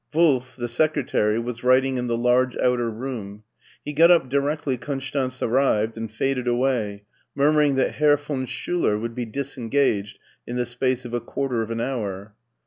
Wolf, the secretary, was writing in the large outer room. He got up directly Konstanz arrived and faded away, murmuring that Herr von Schiiler would be disengaged in the space of a quarter of an hour.